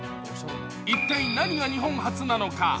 一体、何が日本初なのか？